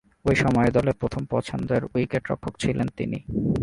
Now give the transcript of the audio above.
ঐ সময়ে দলের প্রথম পছন্দের উইকেট-রক্ষক ছিলেন তিনি।